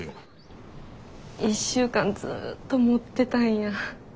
１週間ずっと持ってたんや。